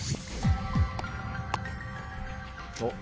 おっ。